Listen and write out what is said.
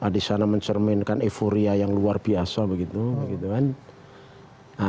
di sana mencerminkan euforia yang luar biasa